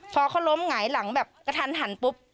พอเขาล้มหงายหลังแบบกระทันหันปุ๊บ